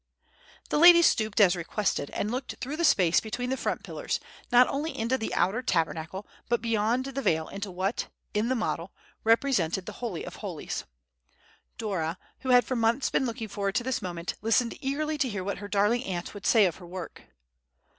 The lady stooped, as requested, and looked through the space between the front pillars, not only into the outer Tabernacle, but beyond the veil into what, in the model, represented the Holy of holies. Dora, who had for months been looking forward to this moment, listened eagerly to hear what her darling aunt would say of her work.